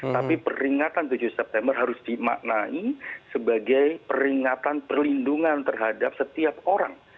tapi peringatan tujuh september harus dimaknai sebagai peringatan perlindungan terhadap setiap orang